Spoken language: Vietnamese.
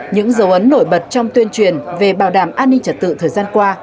những dấu ấn nổi bật trong tuyên truyền về bảo đảm an ninh trật tự thời gian qua